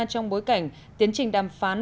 trong bối cảnh tiến trình đàm phán